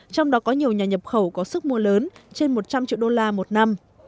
trong đó có nhiều nhà nhập khẩu có sức mua lớn trên một trăm linh triệu đô la một năm